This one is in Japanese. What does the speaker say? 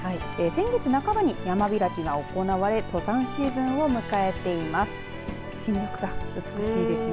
先月半ばに、山開きが行われ登山シーズンを迎えています。